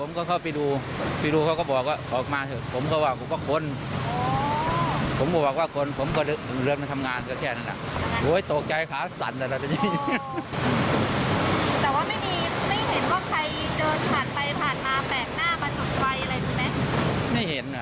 มีเปลวไฟไหม